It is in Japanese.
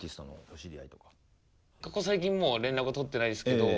ここ最近もう連絡は取ってないですけど。